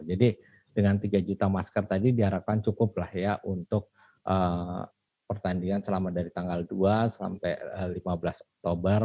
jadi dengan tiga juta masker tadi diharapkan cukup untuk pertandingan selama dari tanggal dua sampai lima belas oktober